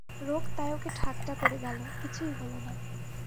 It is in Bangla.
রোগ তাই ওকে ঠাট্টা করে গেল, কিছুই হল না।